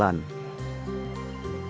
atau dengan kembalan